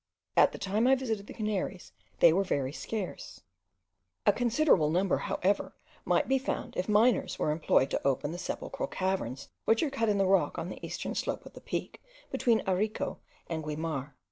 At the time I visited the Canaries they were very scarce; a considerable number, however, might be found if miners were employed to open the sepulchral caverns which are cut in the rock on the eastern slope of the Peak, between Arico and Guimar.